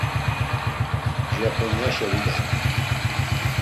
Japonyaşe vidare.